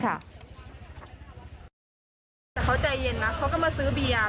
แต่เขาใจเย็นนะเขาก็มาซื้อเบียร์